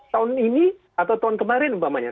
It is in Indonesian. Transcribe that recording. tahun ini atau tahun kemarin umpamanya